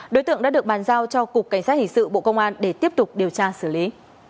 đối tượng đã được bàn giao cho cục cảnh sát hình sự bộ công an để tiếp tục điều tra xử lý